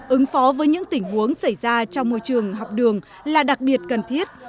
ứng phó với những tình huống xảy ra trong môi trường học đường là đặc biệt cần thiết